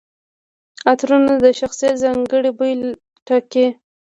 عطرونه د شخصیت ځانګړي بوی ټاکي.